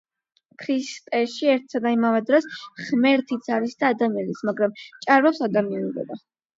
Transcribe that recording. ქრისტეში ერთსა და იმავე დროს ღმერთიც არის და ადამიანიც, მაგრამ ჭარბობს ადამიანურობა.